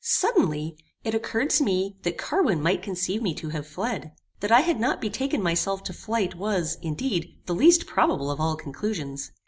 Suddenly, it occurred to me that Carwin might conceive me to have fled. That I had not betaken myself to flight was, indeed, the least probable of all conclusions.